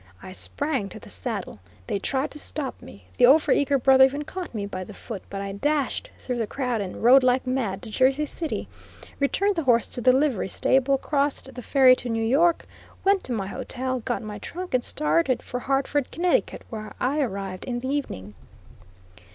I sprang to the saddle. They tried to stop me; the over eager brother even caught me by the foot; but I dashed through the crowd and rode like mad to Jersey City, returned the horse to the livery stable, crossed the ferry to New York, went to my hotel, got my trunk, and started for Hartford, Conn., where I arrived in the evening.